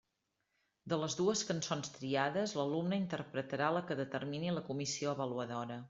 De les dues cançons triades, l'alumne interpretarà la que determini la comissió avaluadora.